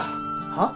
はっ？